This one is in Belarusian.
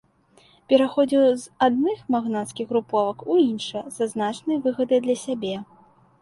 Пераходзіў з адных магнацкіх груповак у іншыя са значнай выгадай для сябе.